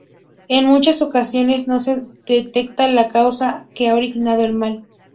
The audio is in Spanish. En muchas ocasiones no se detecta la causa que ha originado el mal.